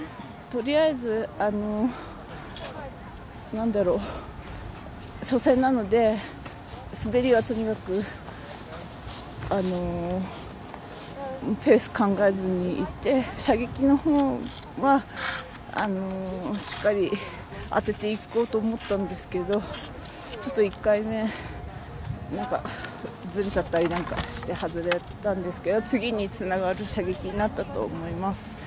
とりあえず初戦なので滑りはとにかくペース考えずに行って射撃のほうはしっかり当てていこうと思ったんですがちょっと１回目ずれちゃったりなんかして外れたんですけど、次につながる射撃になったと思います。